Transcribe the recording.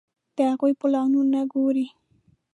د هغوی پلانونه ګوري.